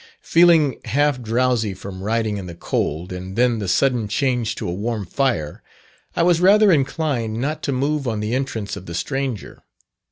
Feeling half drowsy from riding in the cold, and then the sudden change to a warm fire, I was rather inclined not to move on the entrance of the stranger.